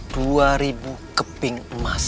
dua ribu keping emas